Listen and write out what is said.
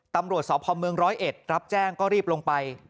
ตำรวจสพเมืองร้อยเอ็ดรับแจ้งก็รีบลงไป